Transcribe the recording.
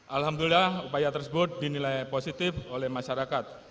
alhamdulillah upaya tersebut dinilai positif oleh masyarakat